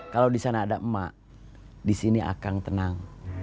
kalau di sana ada mak di sini akan tenang